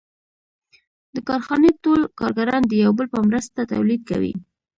د کارخانې ټول کارګران د یو بل په مرسته تولید کوي